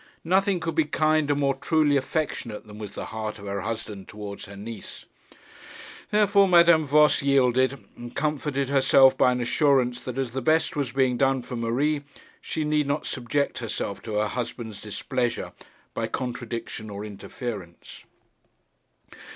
Nothing could be kinder, more truly affectionate, than was the heart of her husband towards her niece. Therefore Madame Voss yielded, and comforted herself by an assurance that as the best was being done for Marie, she need not subject herself to her husband's displeasure by contradiction or interference.